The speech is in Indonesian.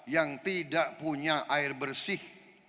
yang tidak punya air bersih